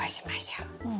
うん。